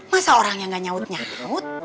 masa orangnya enggak nyaut nyaut